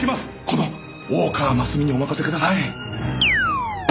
この大河真澄にお任せください！